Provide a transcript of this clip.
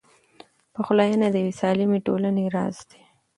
پخلاینه د یوې سالمې ټولنې راز دی.